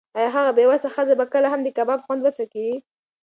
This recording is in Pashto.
ایا هغه بې وسه ښځه به کله هم د کباب خوند وڅکي؟